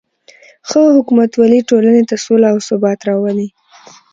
ښه حکومتولي ټولنې ته سوله او ثبات راولي.